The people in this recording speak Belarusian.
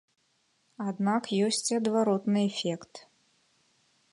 Аднак ёсць і адваротны эфект.